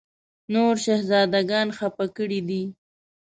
نور شهزاده ګان خپه کړي دي.